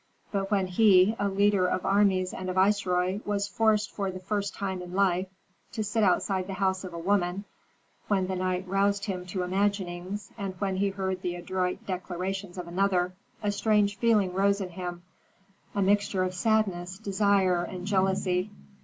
But when he, a leader of armies and a viceroy, was forced for the first time in life to sit outside the house of a woman, when the night roused him to imaginings, and when he heard the adroit declarations of another, a strange feeling rose in him, a mixture of sadness, desire, and jealousy.